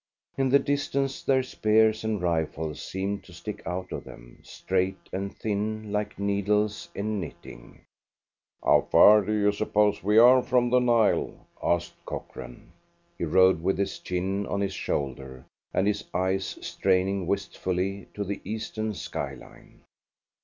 In the distance their spears and rifles seemed to stick out of them, straight and thin, like needles in knitting. "How far do you suppose we are from the Nile?" asked Cochrane. He rode with his chin on his shoulder and his eyes straining wistfully to the eastern skyline.